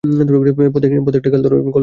পথে একটা কল ধারার জন্য থেমেছিলাম।